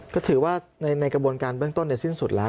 ก็ถือว่าในกระบวนการเบื้องต้นสิ้นสุดแล้ว